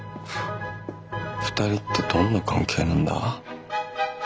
二人ってどんな関係なんだ？